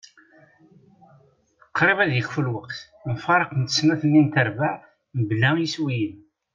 Qrib ad ikfu lweqt. Mfaraqent snat-nni n trebbaɛ mebla iswiyen.